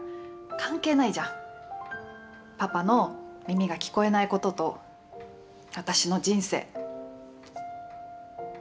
関係ないじゃんパパの耳が聞こえないことと私の人生。